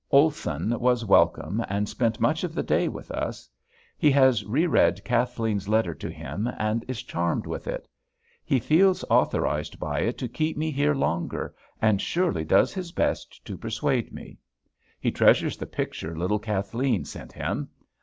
Olson was welcome and spent much of the day with us. He has reread Kathleen's letter to him and is charmed with it. He feels authorized by it to keep me here longer and surely does his best to persuade me. He treasures the picture little Kathleen sent him.